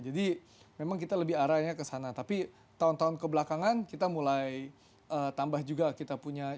jadi memang kita lebih arahnya ke sana tapi tahun tahun kebelakangan kita mulai tambah juga kita punya